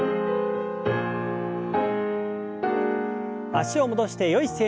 脚を戻してよい姿勢に。